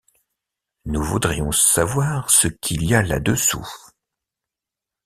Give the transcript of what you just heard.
Nous voudrions savoir ce qu’il y a là-dessous.